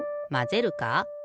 まぜるか？